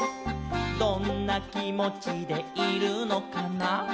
「どんなきもちでいるのかな」